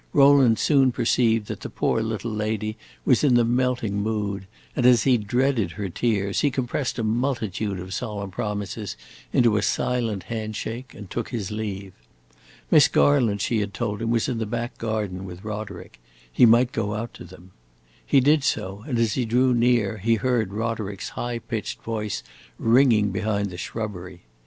Rowland soon perceived that the poor little lady was in the melting mood, and, as he dreaded her tears, he compressed a multitude of solemn promises into a silent hand shake and took his leave. Miss Garland, she had told him, was in the back garden with Roderick: he might go out to them. He did so, and as he drew near he heard Roderick's high pitched voice ringing behind the shrubbery.